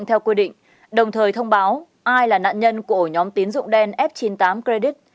theo quy định đồng thời thông báo ai là nạn nhân của ổ nhóm tín dụng đen f chín mươi tám credit